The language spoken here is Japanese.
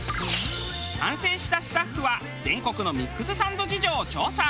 反省したスタッフは全国のミックスサンド事情を調査。